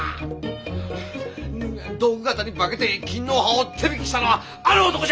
道具方に化けて勤皇派を手引きしたのはあの男じゃ！